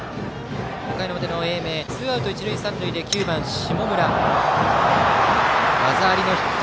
５回の表の英明ツーアウト一塁三塁で９番、下村が技ありのヒット。